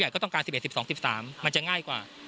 ก็ต้องการ๑๑๑๒๑๓มันจะง่ายกว่า